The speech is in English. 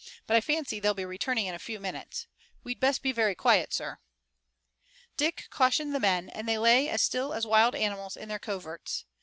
But I fancy they'll be returning in a few minutes. We'd best be very quiet, sir." Dick cautioned the men, and they lay as still as wild animals in their coverts.